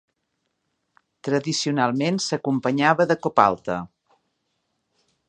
Tradicionalment s'acompanyava de copalta.